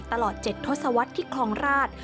ตลอด๗ทศวรรษที่คลองราช